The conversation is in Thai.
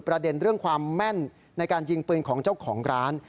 ประเด็นเรื่องความแม่นในการยิงปืนของเจ้าของร้าน